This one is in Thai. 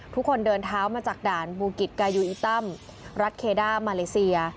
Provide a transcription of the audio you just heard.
ทุกคนเดินเท้ามาจากด่านบูกิจกายูอิตัมรัฐเคด้ามาเลเซีย